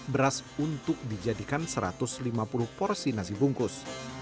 beras untuk dijadikan satu ratus lima puluh porsi nasi bungkus